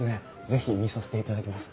是非見させていただきます。